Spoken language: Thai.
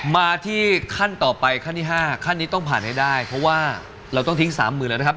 มาที่ขั้นต่อไปขั้นที่๕ขั้นนี้ต้องผ่านให้ได้เพราะว่าเราต้องทิ้งสามหมื่นแล้วนะครับ